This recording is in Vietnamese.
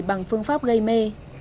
bằng phương pháp gây mê